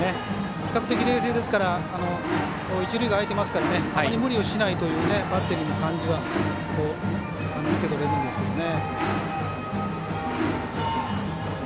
比較的、冷静ですから一塁が空いてますからあまり無理をしないというバッテリーの感じは見て取れるんですけどね。